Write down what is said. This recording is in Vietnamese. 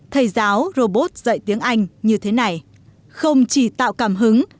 thầy giáo robot dạy tiếng anh như thế này không chỉ tạo cảm hứng